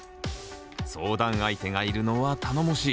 相談相手がいるのは頼もしい。